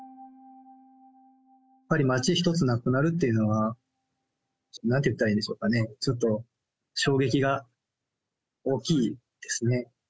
やっぱり町一つなくなるというのは、なんて言ったらいいんでしょうかね、ちょっと衝撃が大きいですね。